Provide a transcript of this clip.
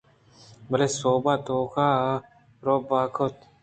بلے سوب توک ءَ روباہ ءَ کُت